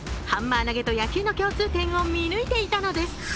ハンマー投げと野球の共通点を見抜いていたのです。